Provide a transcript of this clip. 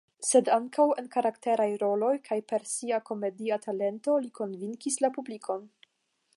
Sed ankaŭ en karakteraj roloj kaj per sia komedia talento li konvinkis la publikon.